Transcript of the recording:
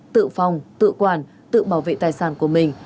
tự phòng tự quản tự bảo vệ tài sản của mình